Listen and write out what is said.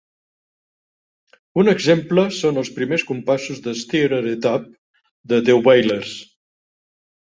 Un exemple són els primers compassos de "Stir It Up" de The Wailers.